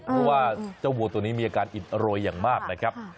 เพราะว่าเจ้าวัวตัวนี้มีอาการอิดโรยอย่างมากนะครับ